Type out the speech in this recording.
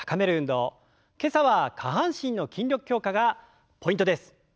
今朝は下半身の筋力強化がポイントです。